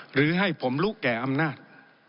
หรือให้ผมรู้แก่อำนาจ